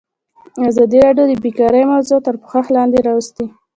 ازادي راډیو د بیکاري موضوع تر پوښښ لاندې راوستې.